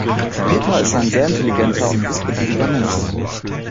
Peter ist ein sehr intelligenter und wissbegieriger Mensch.